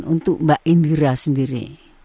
untuk mbak indira sendiri